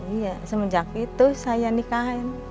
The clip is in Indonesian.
iya semenjak itu saya nikahin